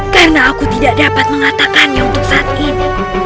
karena aku tidak dapat mengatakannya untuk saat ini